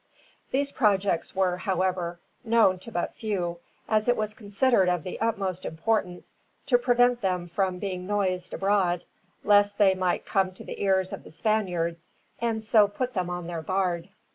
These projects were, however, known to but few, as it was considered of the utmost importance to prevent them from being noised abroad, lest they might come to the ears of the Spaniards, and so put them upon their guard.